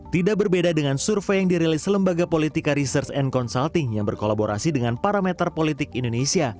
tidak berbeda dengan survei yang dirilis lembaga politika research and consulting yang berkolaborasi dengan parameter politik indonesia